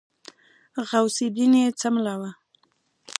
غوث الدين يې څملاوه.